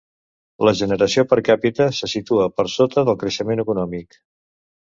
La generació per càpita se situa per sota del creixement econòmic.